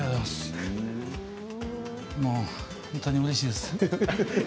本当にうれしいです。